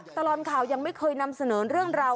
ตลอดข่าวยังไม่เคยนำเสนอเรื่องราว